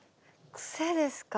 癖ですか？